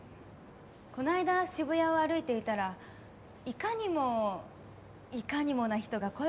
この間渋谷を歩いていたらいかにもいかにもな人が声をかけてきました。